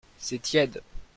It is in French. C'est tiède.